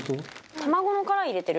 卵の殻入れてる？